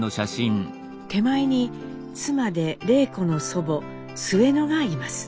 手前に妻で礼子の祖母すゑのがいます。